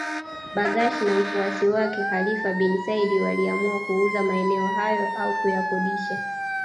Bargash na mfuasi wake Khalifa bin Said waliamua kuuza maeneo hayo au kuyakodisha